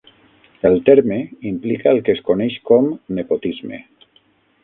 El terme implica el que es coneix com nepotisme.